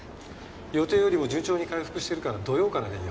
予定よりも順調に回復してるから土曜からでいいよ。